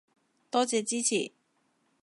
多謝支持